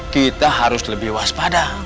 kita harus lebih waspada